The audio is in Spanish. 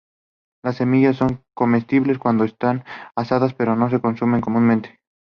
Las semillas son comestibles cuando están asadas, pero no se consumen comúnmente.